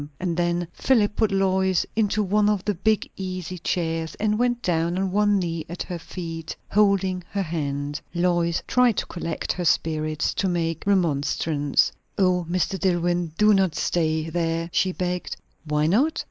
And then Philip put Lois into one of the big easy chairs, and went down on one knee at her feet, holding her hand. Lois tried to collect her spirits to make remonstrance. "O, Mr. Dillwyn, do not stay there!" she begged. "Why not?